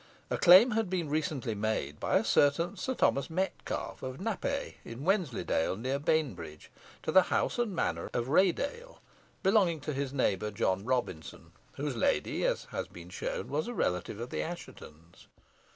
A claim had recently been made by a certain Sir Thomas Metcalfe of Nappay, in Wensleydale, near Bainbridge, to the house and manor of Raydale, belonging to his neighbour, John Robinson, whose lady, as has been shown, was a relative of the Asshetons.